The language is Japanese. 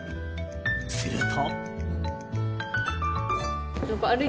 すると。